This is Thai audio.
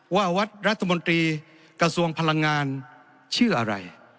ว่าวัดรัฐมนตรีกระทรวงพลังงานชื่ออะไร